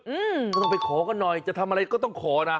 อืมก็ต้องไปขอกันหน่อยจะทำอะไรก็ต้องขอนะ